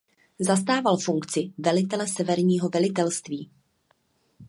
Zastával funkci velitele Severního velitelství.